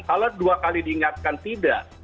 kalau dua kali diingatkan tidak